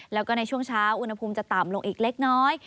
แล้วก็ในช่วงเช้าอุณหภูมิจะต่ำลงอีกเล็กน้อย